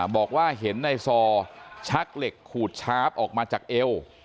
บอกว่าเห็นในซอชักเหล็กขูดชาร์ฟออกมาจากเอว